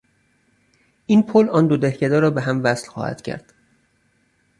این پل آن دو دهکده را بههم وصل خواهد کرد.